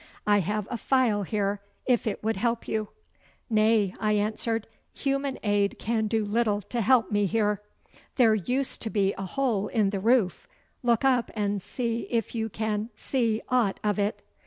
I have a file here if it would help you.' 'Nay,' I answered, 'human aid can do little to help me here.' 'There used to be a hole in the roof. Look up and see if you can see aught of it.